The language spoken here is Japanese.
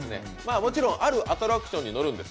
もちろん、あるアトラクションに乗るんです。